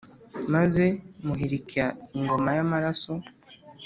maze muhirika ingoma y`amaraso.